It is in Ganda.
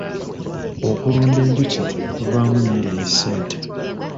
Okulunda enjuki kuvaamu emmere ne ssente.